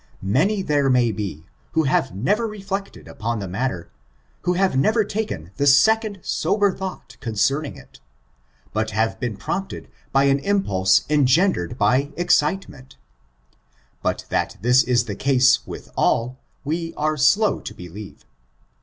Many there may be, irho hsTO nerer reflected upon the matter, who have never taken the seccmd sober thought concemmg it, bat have been prompted by an impulse engendered by excitement. But that tUs is tb^ case with all, we are slow to believe.